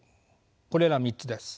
これら３つです。